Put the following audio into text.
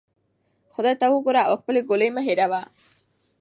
خدای ته وګوره او خپلې ګولۍ مه هیروه.